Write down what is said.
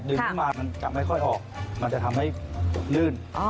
ขึ้นมามันจะไม่ค่อยออกมันจะทำให้ลื่น